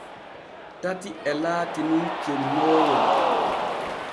Tati e laati nun cennoowel.